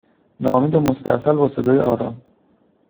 ناامید و مستاصل با صدای آرام